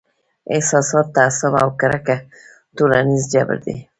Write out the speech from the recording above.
احساسات، تعصب او کرکه ټولنیز جبر دی.